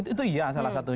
itu iya salah satu